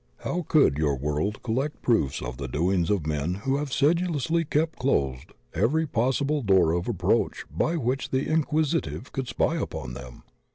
How could your world collect proofs of the doings of men who have sedulously kept closed every possible door of approach by which the inquisi tive could spy upon them?